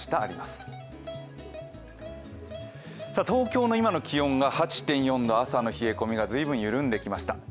東京の今の気温が８．４度朝の冷え込みが緩んできました。